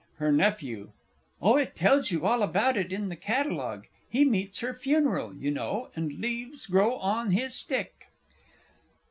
_ HER NEPHEW. Oh, it tells you all about it in the Catalogue he meets her funeral, you know, and leaves grow on his stick.